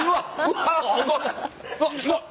わっすごっ！